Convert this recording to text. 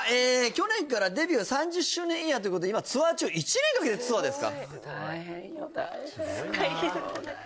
去年からデビュー３０周年イヤーということで今ツアー中えっツアーうーわっ！